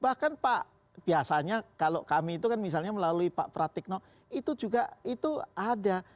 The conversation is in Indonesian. bahkan pak biasanya kalau kami itu kan misalnya melalui pak pratikno itu juga itu ada